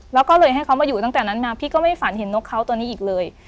แล้วก็เลยให้เขามาอยู่ตั้งแต่นั้นมาพี่ก็ไม่ฝันเห็นนกเขาตัวนี้อีกเลย